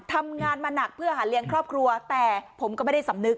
ทำงานมาหนักเพื่อหาเลี้ยงครอบครัวแต่ผมก็ไม่ได้สำนึก